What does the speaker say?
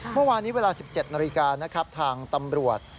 เมื่อวานนี้เวลา๑๗นาฬิกานะครับทางตำรวจ